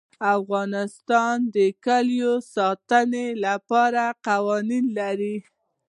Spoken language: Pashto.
افغانستان د کلیو د ساتنې لپاره قوانین لري.